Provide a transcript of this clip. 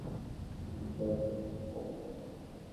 কী বলতো ও তোমাকে?